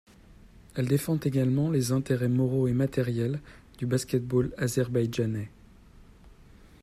Elle défend également les intérêts moraux et matériels du basket-ball azerbaïdjanais.